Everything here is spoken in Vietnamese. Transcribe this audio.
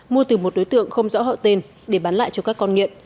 mua từ một đối tượng không rõ hậu tên để bán lại cho các con nghiện